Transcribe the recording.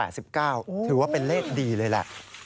ถือว่าเป็นเลขดีเลยแหละ